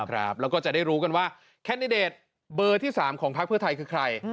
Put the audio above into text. แล้วก็จะได้รู้กันว่าแคนดิเดตเบอร์ที่๓ของพักเพื่อไทยคือใคร